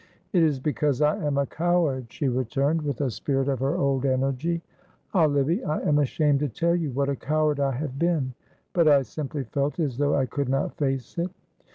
"It is because I am a coward," she returned, with a spirit of her old energy. "Ah, Livy, I am ashamed to tell you what a coward I have been; but I simply felt as though I could not face it.